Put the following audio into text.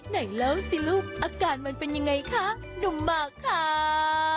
ไหนเล่าสิลูกอาการมันเป็นยังไงคะหนุ่มมากค่ะ